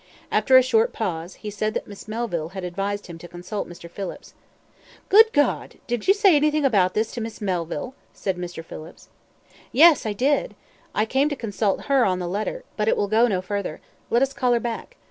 After a short pause, he said that Miss Melville had advised him to consult Mr. Phillips. "Good God! did you say anything about this to Miss Melville?" said Mr. Phillips. "Yes, I did! I came to consult her on the letter, but it will go no further; let us call her back.